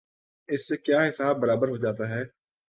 اس سے کیا حساب برابر ہو جاتا ہے؟